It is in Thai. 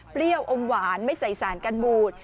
อมหวานไม่ใส่สารกันบูด